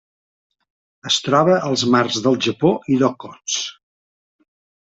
Es troba als mars del Japó i d'Okhotsk.